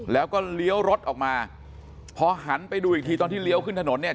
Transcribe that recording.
แล้วก็เลี้ยวรถออกมาพอหันไปดูอีกทีตอนที่เลี้ยวขึ้นถนนเนี่ย